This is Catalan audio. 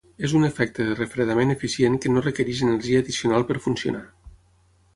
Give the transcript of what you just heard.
És un efecte de refredament eficient que no requereix energia addicional per funcionar.